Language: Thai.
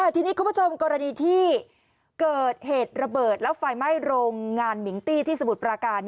ทีนี้คุณผู้ชมกรณีที่เกิดเหตุระเบิดแล้วไฟไหม้โรงงานมิงตี้ที่สมุทรปราการ